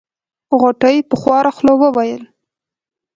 غوټۍ په خواره خوله وويل.